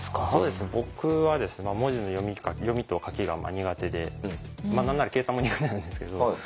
僕は文字の読み書き読みと書きが苦手で何なら計算も苦手なんですけど。